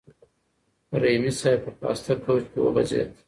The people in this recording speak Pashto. رحیمي صیب په پاسته کوچ کې وغځېد.